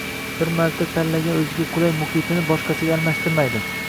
Bir marta tanlagan o’ziga qulay muhitini boshqasiga almashtirmaydi